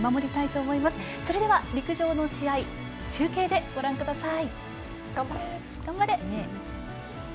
それでは陸上の試合中継でご覧ください。